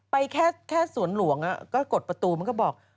ไปแค่สวนหลวงก็กดประตูมันก็บอก